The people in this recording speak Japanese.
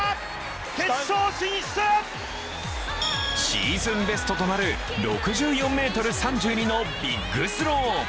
シーズンベストとなる６４ｍ３２のビッグスロー。